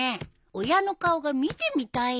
親の顔が見てみたいよ。